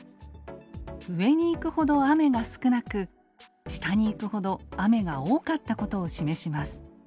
上に行くほど雨が少なく下に行くほど雨が多かったことを示します。